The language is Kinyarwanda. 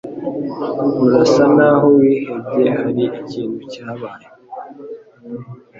Urasa naho wihebye. Hari ikintu cyabaye?